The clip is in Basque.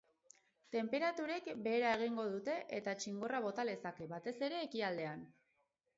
Tenperaturek behera egingo dute eta txingorra bota lezake, batez ere ekialdean.